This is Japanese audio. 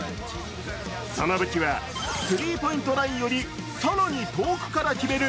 その武器はスリーポイントラインより更に遠くから決める